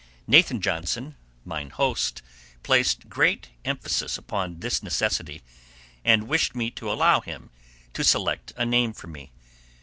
Nathan Johnson, mine host, placed great emphasis upon this necessity, and wished me to allow him to select a name for me.